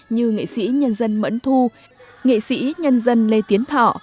như nghệ sĩ nhân dân mẫn thu nghệ sĩ nhân dân lê tiến thọ